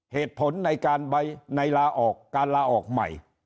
เหตุผลในการใบในลาออกการลาออกใหม่